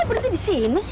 kok berarti di sini sih